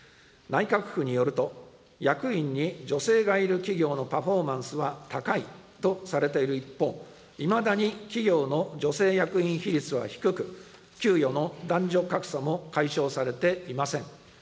内閣府によると、役員に女性がいる企業のパフォーマンスは高いとされている一方、いまだに企業の女性役員比率は低く、給与の男女格差も解消されていません。